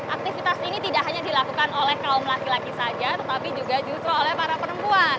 aktivitas ini tidak hanya dilakukan oleh kaum laki laki saja tetapi juga justru oleh para perempuan